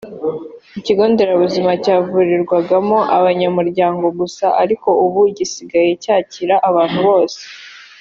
ikigo nderabuzima cyavurirwagamo abanyamuryango gusa ariko ubu gisigaye cyakira abantu bose